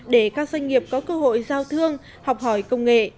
để các doanh nghiệp có cơ hội giao thương học hỏi công nghệ